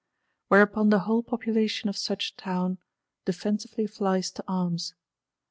Whereupon the whole population of such Town, defensively flies to arms.